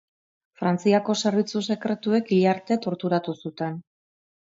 Frantziako zerbitzu sekretuek hil arte torturatu zuten.